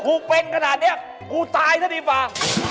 คู่เบ้งขนาดนี้กู่ตายซะหนีบ่า